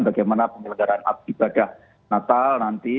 bagaimana penyelenggaran ibadah natal nanti